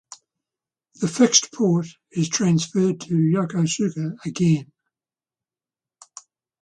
The fixed port is transferred to Yokosuka again.